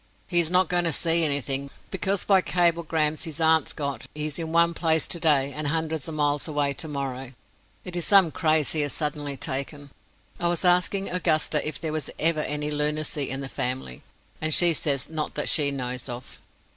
He is not going to see anything, because by cablegrams his aunts got he is one place today and hundreds of miles away tomorrow. It is some craze he has suddenly taken. I was asking Augusta if there was ever any lunacy in the family, and she says not that she knows of.